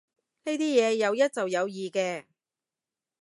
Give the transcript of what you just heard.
呢啲嘢有一就有二嘅